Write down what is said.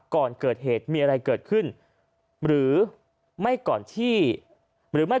ก่อนเกิดเหตุมีอะไรเกิดขึ้นหรือไม่ก่อนที่หรือไม่